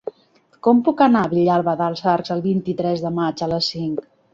Com puc anar a Vilalba dels Arcs el vint-i-tres de maig a les cinc?